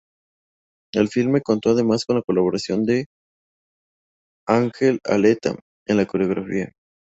El filme contó además con la colaboración de Ángel Eleta en la coreografía.